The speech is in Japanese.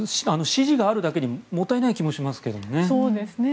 支持があるだけにもったいない気もしますけどね。